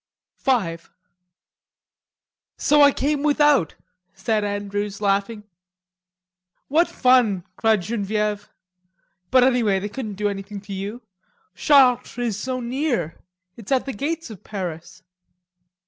V "So I came without," said Andrews, laughing. "What fun!" cried Genevieve. "But anyway they couldn't do anything to you. Chartres is so near. It's at the gates of Paris."